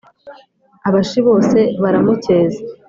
abashi bose baramucyeza